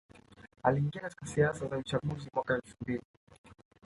Aliingia katika siasa za uchaguzi mwaka elfu mbili